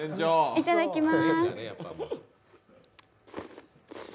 いただきます。